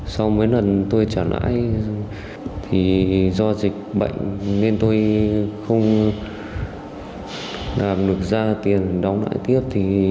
sau mấy lần tôi trả lãi do dịch bệnh nên tôi không làm được ra tiền đóng lại tiếp